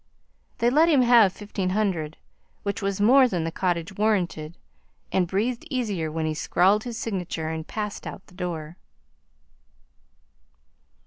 They let him have fifteen hundred, which was more than the cottage warranted, and breathed easier when he scrawled his signature and passed out the door.